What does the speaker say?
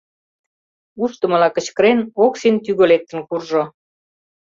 Ушдымыла кычкырен, Оксин тӱгӧ лектын куржо.